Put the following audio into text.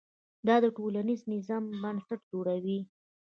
دا د ټولنیز نظم بنسټ جوړوي.